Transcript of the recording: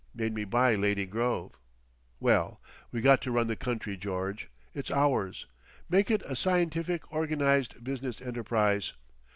Made me buy Lady Grove.) Well, we got to run the country, George. It's ours. Make it a Scientific Organised Business Enterprise.